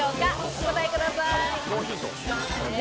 お答えください。